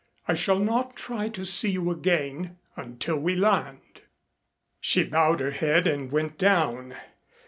I shall not try to see you again until we land." She bowed her head and went down.